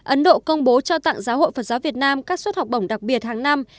ấn độ công bố trao tặng giáo hội phật giáo việt nam các suất học bổng đặc biệt hàng năm